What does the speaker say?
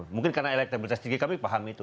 mungkin karena elektabilitas tinggi kami paham itu